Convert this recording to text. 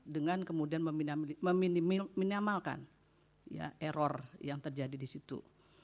dengan kemudian menyamalkan error yang terjadi di situ